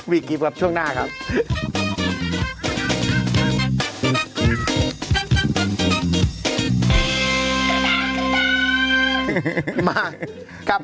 วิกริมครับช่วงหน้าครับ